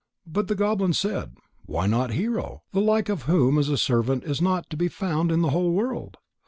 But the goblin said: "Why not Hero, the like of whom as a servant is not to be found in the whole world?